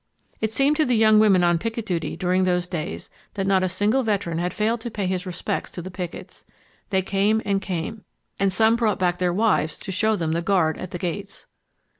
It seemed to the young women on picket duty during those days that not a single veteran had failed to pay his respects to the pickets. They came and came; and some brought back their wives to show them the guard at the gates.